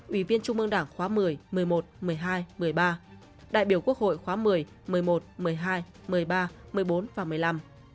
ủy viên trung ương đảng khóa một mươi một mươi một một mươi hai một mươi ba đại biểu quốc hội khóa một mươi một mươi một một mươi hai một mươi ba một mươi bốn và một mươi năm